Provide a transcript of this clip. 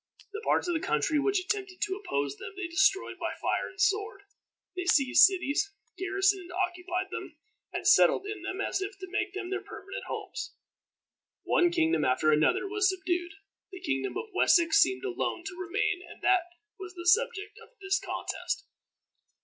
The parts of the country which attempted to oppose them they destroyed by fire and sword. They seized cities, garrisoned and occupied them, and settled in them as if to make them their permanent homes. One kingdom after another was subdued. The kingdom of Wessex seemed alone to remain, and that was the subject of contest.